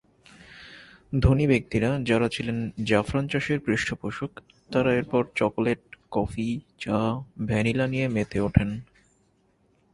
ধনী ব্যক্তিরা, যাঁরা ছিলেন জাফরান চাষের পৃষ্ঠপোষক, তারা এরপর চকোলেট, কফি, চা, ভ্যানিলা নিয়ে মেতে ওঠেন।